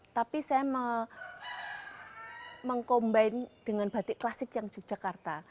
tapi saya mengkombinasi dengan batik klasik yang di jakarta